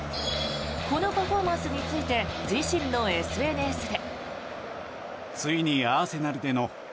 このパフォーマンスについて自身のＳＮＳで。